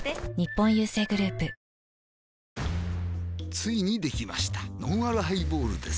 ついにできましたのんあるハイボールです